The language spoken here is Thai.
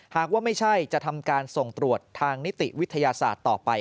หากว่าไม่ใช่จะทำการส่งตรวจทางนิติวิทยาศาสตร์ต่อไป